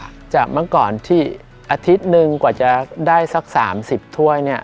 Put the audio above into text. ชอบมากกว่าจากเมื่อก่อนที่อาทิตย์นึงกว่าจะได้สัก๓๐ถ้วยเนี่ย